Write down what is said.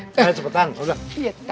kalian cepetan udah